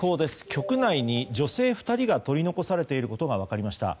局内に女性２人が取り残されていることが分かりました。